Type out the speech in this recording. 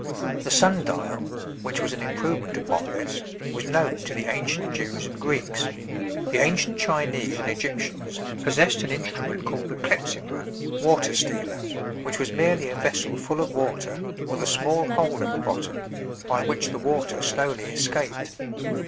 The sun dial, which was an improvement upon this, was known to the ancient Jews and Greeks. The ancient Chinese and Egyptians possessed an instrument called the Clepsydra (water stealer), which was merely a vessel full of water with a small hole in the bottom by which the water slowly escaped.